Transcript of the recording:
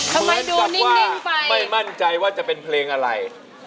เหมือนกับว่าไม่มั่นใจว่าจะเป็นเพลงอะไร